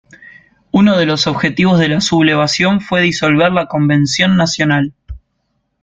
Uno de los objetivos de la sublevación fue disolver la Convención Nacional.